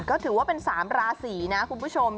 ก็ถือว่าเป็น๓ราศีนะคุณผู้ชม